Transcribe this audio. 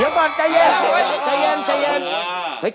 เดี๋ยวก่อนใจเย็น